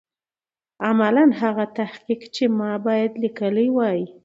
عملاً هغه تحقیق چې ما باید لیکلی وای.